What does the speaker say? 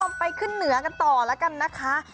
ไปขึ้นเหนือกันต่อแล้วกันนะคะ